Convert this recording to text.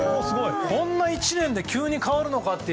こんな１年で急に変わるのかって。